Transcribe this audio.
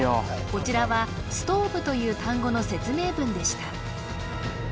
こちらは「ｓｔｏｖｅ」という単語の説明文でした